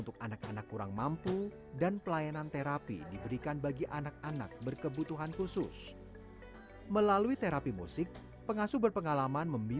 ke acara acara pertunjukan seni